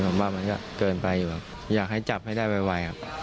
ผมว่ามันก็เกินไปอยู่ครับอยากให้จับให้ได้ไวครับ